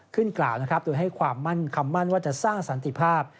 ขึ้นกล่าวโดยให้ความมั่นคำมั่นว่าจะสร้างสันติภาพ